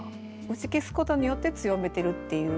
打ち消すことによって強めてるっていう。